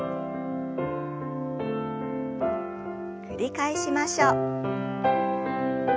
繰り返しましょう。